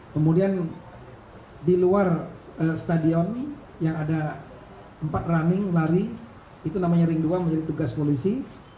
kemudian di luar stadion yang ada empat running lari itu namanya ring dua menjadi tugas polisi